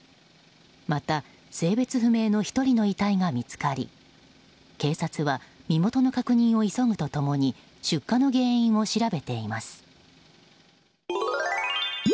また性別不明の１人の遺体が見つかり警察は身元の確認を急ぐと共に出火の原因を調べています。